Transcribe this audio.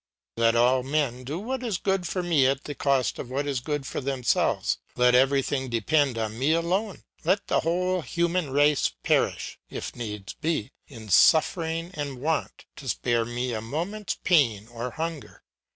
Let all men do what is good for me at the cost of what is good for themselves; let everything depend on me alone; let the whole human race perish, if needs be, in suffering and want, to spare me a moment's pain or hunger.